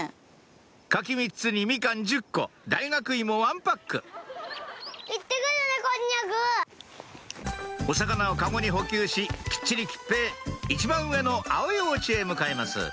柿３つにみかん１０個大学イモ１パックお魚をカゴに補給しきっちり桔平一番上の青いお家へ向かいます